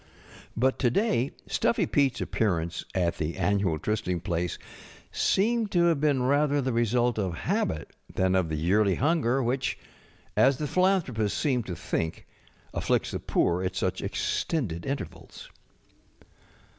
But to day Stuffy PeteŌĆÖs appearance at the annual try sting place seemed to have been rather the result of habit than of the yearly hunger which, as the philanthropists seem to think, afflicts the poor at such extended intervals.